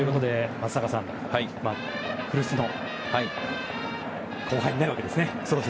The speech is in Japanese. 松坂さん古巣の後輩になるわけですね。